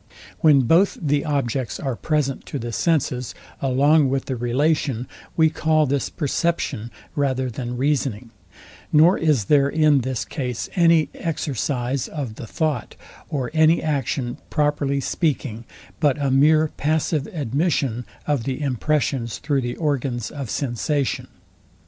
When both the objects are present to the senses along with the relation, we call this perception rather than reasoning; nor is there in this case any exercise of the thought, or any action, properly speaking, but a mere passive admission of the impressions through the organs of sensation.